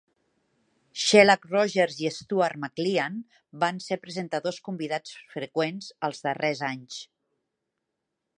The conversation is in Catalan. Shelagh Rogers i Stuart McLean van ser presentadors convidats freqüents als darrers anys.